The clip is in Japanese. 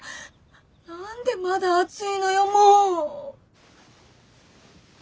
何でまだ熱いのよもう！